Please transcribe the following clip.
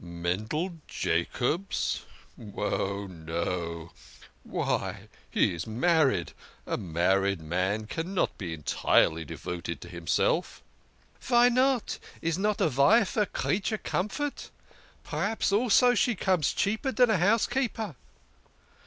" Mendel Jacobs oh, no ! Why, he's married ! A mar ried man cannot be entirely devoted to himself." " Vy not ? Is not a vife a creature comfort ? P'raps also she comes cheaper dan a housekeeper."